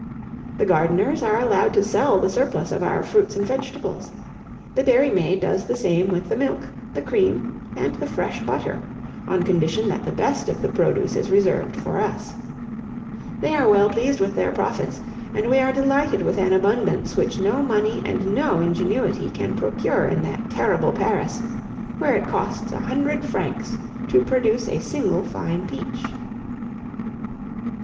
The gardeners are allowed to sell the surplus of our fruits and vegetables. The dairymaid does the same with the milk, the cream, and the fresh butter, on condition that the best of the produce is reserved for us. They are well pleased with their profits, and we are delighted with an abundance which no money and no ingenuity can procure in that terrible Paris, where it costs a hundred francs to produce a single fine peach.